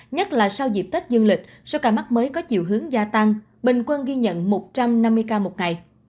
nhất là sau dịp tết dương lịch số ca mắc mới có chiều hướng gia tăng bình quân ghi nhận một trăm năm mươi ca một ngày